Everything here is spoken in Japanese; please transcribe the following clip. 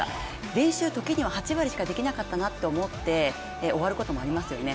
練習、ときには８割しかできなかったって思って終わることもありますよね。